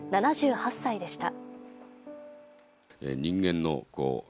７８歳でした。